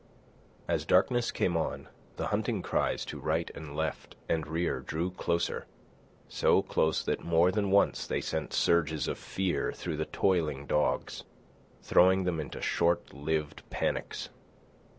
As darkness came on, the hunting cries to right and left and rear drew closer—so close that more than once they sent surges of fear through the toiling dogs, throwing them into short lived panics.